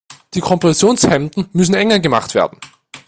Die Kompressionshemden müssen enger gemacht werden.